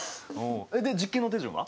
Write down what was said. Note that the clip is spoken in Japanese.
で実験の手順は？